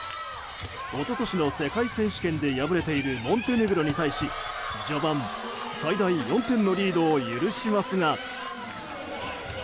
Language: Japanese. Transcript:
一昨年の世界選手権で敗れているモンテネグロに対し序盤、最大４点のリードを許しますが。